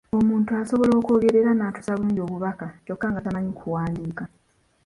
Omuntu asobola okwogera era n'atuusa bulungi obubaka kyokka nga tamanyi kuwandiika!